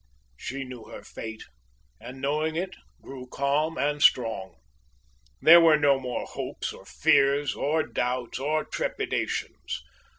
She knew her fate, and knowing it, grew calm and strong. There were no more hopes or fears or doubts or trepidations.